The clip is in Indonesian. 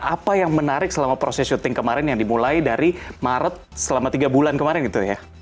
apa yang menarik selama proses syuting kemarin yang dimulai dari maret selama tiga bulan kemarin gitu ya